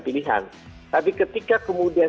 pilihan tapi ketika kemudian